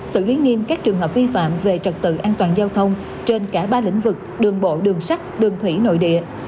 xử lý nghiêm các trường hợp vi phạm về trật tự an toàn giao thông trên cả ba lĩnh vực đường bộ đường sắt đường thủy nội địa